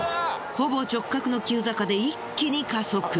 ほぼ直角の急坂で一気に加速。